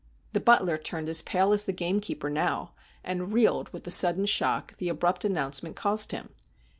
' The butler turned as pale as the gamekeeper now, and reeled with the sudden shock the abrupt announcement caused him.